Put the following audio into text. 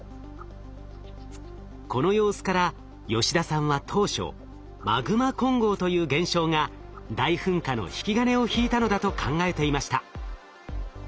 この様子から吉田さんは当初マグマ混合という現象が大噴火の引き金を引いたのだと考えていました。